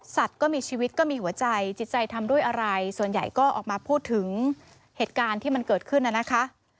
ก็มีชีวิตก็มีหัวใจจิตใจทำด้วยอะไรส่วนใหญ่ก็ออกมาพูดถึงเหตุการณ์ที่มันเกิดขึ้นน่ะนะคะ